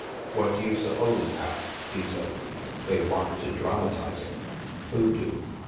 " What do you suppose, Al," he said; " they want to dramatize it." "Who do?"